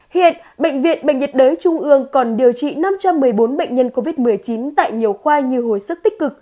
hiện bệnh viện bệnh nhiệt đới trung ương còn điều trị năm trăm một mươi bốn bệnh nhân covid một mươi chín tại nhiều khoa như hồi sức tích cực